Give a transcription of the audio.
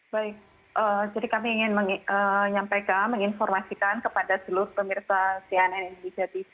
baik jadi kami ingin menyampaikan menginformasikan kepada seluruh pemirsa siasat